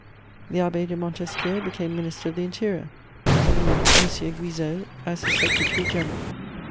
The Abbé de Montesquiou became Minister of the Interior, having M. Guizot as his secretary general; M.